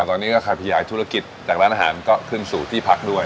ตอนนี้ก็ใครขยายธุรกิจจากร้านอาหารก็ขึ้นสู่ที่พักด้วย